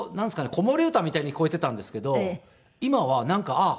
子守歌みたいに聞こえていたんですけど今はなんかあっ